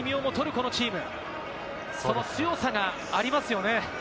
このチーム、この強さがありますよね。